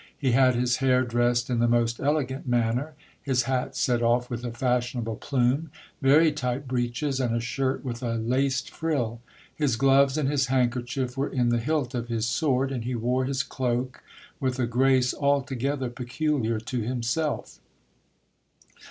He had his hair dressed in the most elegant manner, his hat set off with a fashionable plume, very tight breeches, and a shirt with a laced frill. His gloves and his handkerchief were in the hilt of his sword, and he wore his cloak with a grace altogether peculiar to himself.